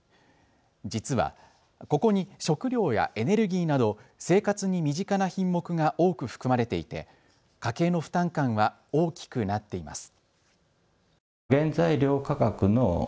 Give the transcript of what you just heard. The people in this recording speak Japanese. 実はここに食料やエネルギーなど生活に身近な品目が多く含まれていて家計の負担感は大きくなっています。